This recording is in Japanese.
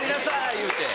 言うて。